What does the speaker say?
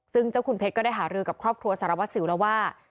ซึ่งเจ้าคุณเพชรก็ได้หารือกับครอบครัวสารวัสสิวแล้วว่า